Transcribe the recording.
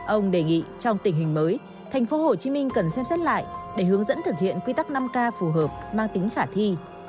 ông đề nghị trong tình hình mới tp hcm cần xem xét lại để hướng dẫn thực hiện quy tắc năm k phù hợp mang tính khả thi